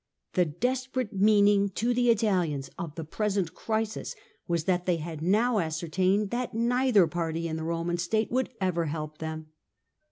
The desperate meaning to the Italians of the present crisis was that they had now ascertained that neither party in the Roman state wonld ever help them.